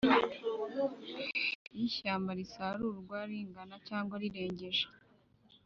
Iyo ishyamba risarurwa ringana cyangwa rirengeje